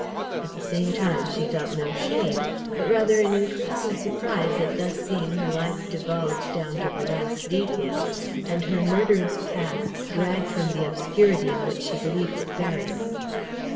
At the same time, she felt no shame, but rather an increasing surprise at thus seeing her life divulged down to the least detail and her murderous past dragged from the obscurity in which she believed it buried.